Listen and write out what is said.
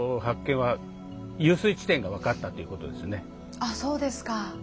あっそうですか。